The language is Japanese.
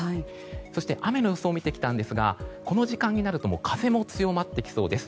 そして、雨の予想を見てきたんですがこの時間になると風も強まってきそうです。